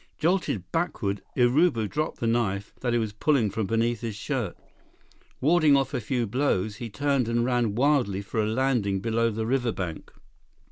Jolted backward, Urubu dropped the knife that he was pulling from beneath his shirt. Warding off a few blows, he turned and ran wildly for a landing below the riverbank.